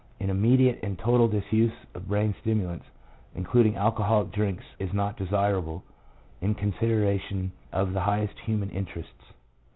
An immediate and total disuse of brain stimulants, including alco holic drinks, is not desirable, in consideration of the highest human interests.